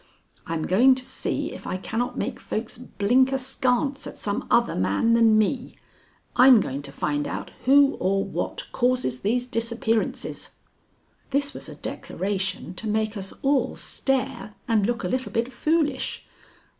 I'm going to see if I cannot make folks blink askance at some other man than me. I'm going to find out who or what causes these disappearances." This was a declaration to make us all stare and look a little bit foolish.